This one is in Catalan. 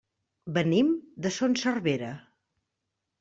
Venim de Son Servera.